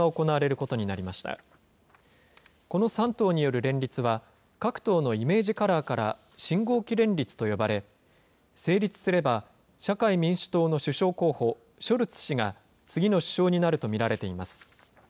この３党による連立は、各党のイメージカラーから信号機連立と呼ばれ、成立すれば社会民主党の首相候補、ショルツ氏が次の首相になると見られています。